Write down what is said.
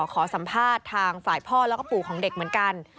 ขอสัมภาษณ์ทางฝ่ายพ่อแล้วก็ปู่ของเด็กเหมือนกัน